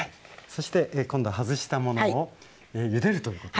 そして今度は外したものをゆでるということですか？